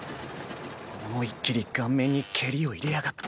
思いっ切り顔面に蹴りを入れやがって。